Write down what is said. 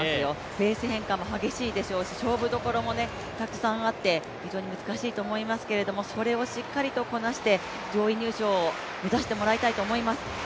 ペース変化も激しいでしょうし勝負どころもたくさんあって非常に難しいと思いますけれども、それをしっかりとこなして上位入賞を目指してもらいたいと思います。